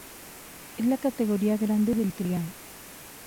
Es la categoría grande del trial.